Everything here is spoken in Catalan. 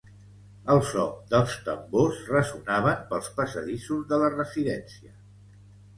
El só dels tambors ressonaven pels passadissos de la residència.